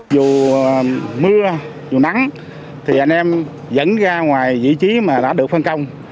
dù mưa dù nắng thì anh em vẫn ra ngoài vị trí mà đã được phân công